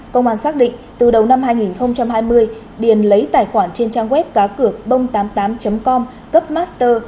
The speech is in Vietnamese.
công an xác định từ đầu năm hai nghìn hai mươi điền lấy tài khoản trên trang web cácượcbong tám mươi tám com cấp master